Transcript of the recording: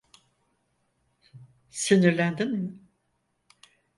Sinirlendin mi?